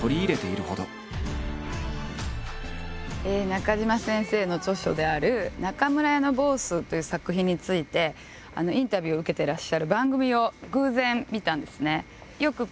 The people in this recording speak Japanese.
中島先生の著書である「中村屋のボース」という作品についてインタビューを受けてらっしゃる番組を偶然見たんですね。